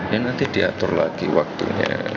ya nanti diatur lagi waktunya